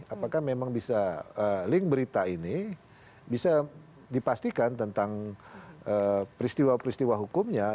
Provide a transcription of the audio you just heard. apakah memang bisa link berita ini bisa dipastikan tentang peristiwa peristiwa hukumnya